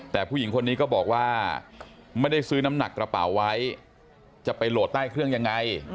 แต่ผู้หญิงคนนี้ก็บอกว่าไม่ได้ซื้อน้ำหนักกระเป๋าไว้จะไปโหลดใต้เครื่องยังไง